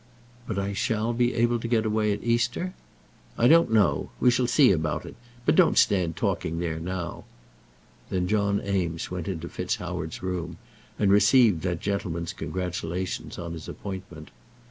"But I shall be able to get away at Easter?" "I don't know. We shall see about it. But don't stand talking there now." Then John Eames went into FitzHoward's room, and received that gentleman's congratulations on his appointment.